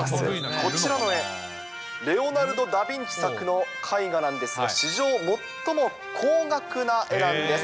こちらの絵、レオナルド・ダビンチ作の絵画なんですが、史上最も高額な絵なんです。